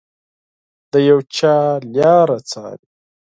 د یو چا لاره څاري